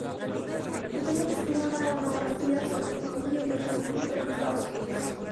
Actualmente escribe una monografía sobre tecnología y la Guerra Civil de los Estados Unidos.